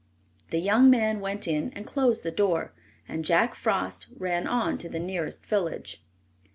The young man went in and closed the door, and Jack Frost ran on to the nearest village.